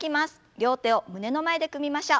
両手を胸の前で組みましょう。